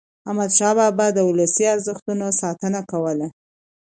احمدشاه بابا د ولسي ارزښتونو ساتنه کوله.